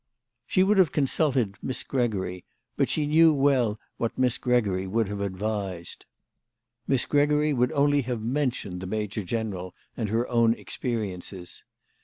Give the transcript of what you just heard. She would have consulted Miss Gregory, but she knew so well what Miss Gregory would have advised. Miss Gregory would only have mentioned the major THE LADY OF LATOAY. 167 general and her own experiences.